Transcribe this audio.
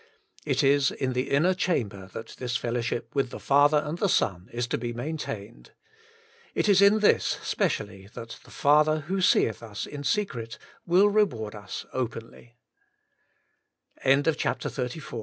It is in the inner chamber that this fellowship with the Father and the Son is to be maintained. It is in this specially that the father who seeth us in secret will reward us openl